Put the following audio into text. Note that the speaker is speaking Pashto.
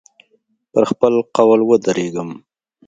پر خپل قول ودرېږم.